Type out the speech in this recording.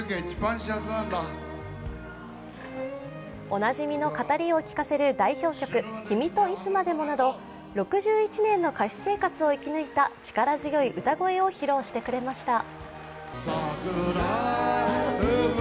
おなじみの語りを聴かせる「君といつまでも」など６１年の歌手生活を生き抜いた力強い歌声を披露してくれました。